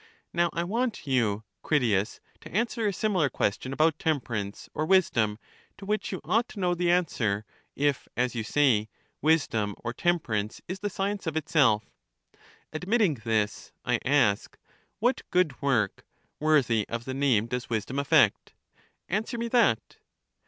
Now I want you, Critias, to answer a similar question about temperance, or wis dom, to which you ought to know the answer, if, as you say, wisdom or temperance is the science of itself. Admitting this, I ask, what good work, worthy of the name, does wisdom effect? Answer me that.